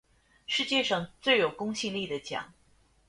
世界上最有公信力的奖